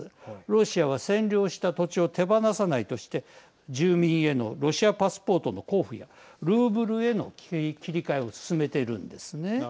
ロシアは占領した土地を手放さないとして住民へのロシアパスポートの交付やルーブルへの切り替えを進めてるんですね。